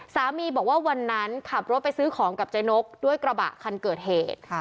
สามีบอกว่าวันนั้นขับรถไปซื้อของกับเจ๊นกด้วยกระบะคันเกิดเหตุ